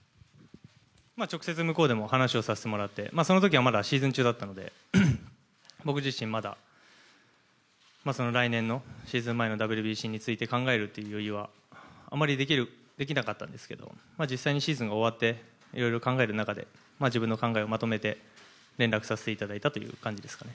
直接向こうでもお話をさせてもらってその時はまだシーズン中だったので僕自身はまだ、来年のシーズン前のＷＢＣについて考えるっていう余裕はあまりできなかったんですけど実際にシーズンが終わっていろいろ考える中で自分の考えをまとめて連絡させていただいた感じです。